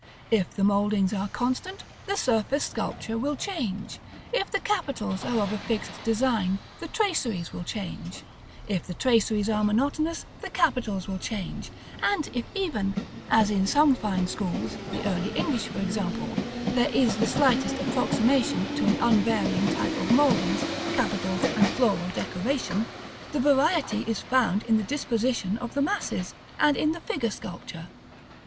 If the mouldings are constant, the surface sculpture will change; if the capitals are of a fixed design, the traceries will change; if the traceries are monotonous, the capitals will change; and if even, as in some fine schools, the early English for example, there is the slightest approximation to an unvarying type of mouldings, capitals, and floral decoration, the variety is found in the disposition of the masses, and in the figure sculpture.